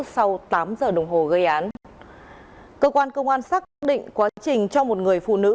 sau tám giờ đồng hồ gây án cơ quan công an xác định quá trình cho một người phụ nữ